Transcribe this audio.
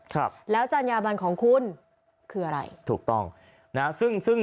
ครับแล้วจัญญาบันของคุณคืออะไรถูกต้องนะฮะซึ่งซึ่ง